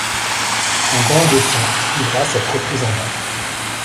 Un bain de sang suivra cette reprise en main.